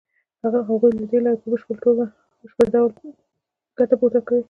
هغوی له دې لارې په بشپړ ډول ګټه پورته کوي